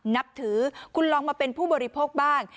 นับถือคุณลองมาเป็นผู้บริโภคบ้าง